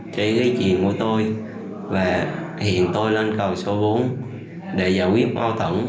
chạy gây chuyện của tôi và hiện tôi lên cầu số bốn để giải quyết bao tẩm